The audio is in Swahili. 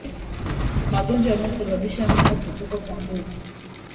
Magonjwa yanayosababisha mimba kutoka kwa mbuzi